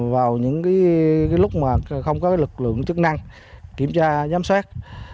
vào những lúc mà không có lực lượng chức năng kiểm tra giám sát